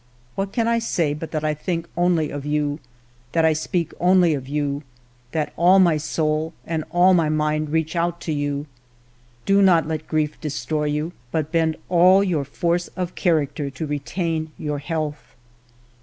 " What can I say but that I think only of you, that I speak only of you, that all my soul and all my mind reach out to you. Do not let grief de stroy you, but bend all your force of character to retain your health.